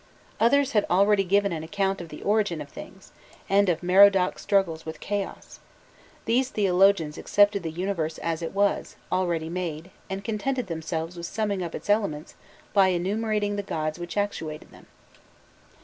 Others had already given an account of the origin of things, and of Merodach's struggles with chaos; these theologians accepted the universe as it was, already made, and contented themselves with summing up its elements by enumerating the gods which actuated them.